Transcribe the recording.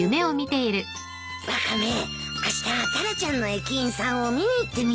ワカメあしたタラちゃんの駅員さんを見に行ってみようか。